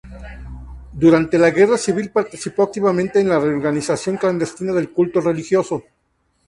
Durante la guerra civil participó activamente en la reorganización clandestina del culto religioso.